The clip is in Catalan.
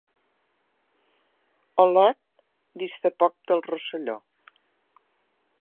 Olot dista poc del Rosselló.